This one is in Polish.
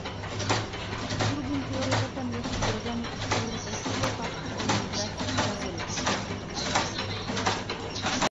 Drugim priorytetem jest wdrożenie europejskiego paktu o imigracji i azylu